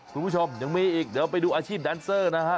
คุณผู้ชมยังมีอีกเดี๋ยวไปดูอาชีพแดนเซอร์นะฮะ